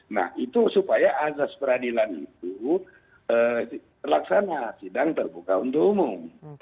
nah itu supaya azas peradilan itu terlaksana sidang terbuka untuk umum